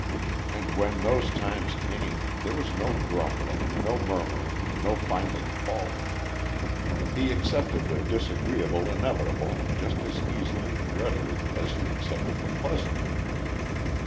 And when those times came, there was no grumbling, no murmuring, no finding fault. He accepted the disagreeable inevitable just as easily and readily as he accepted the pleasant.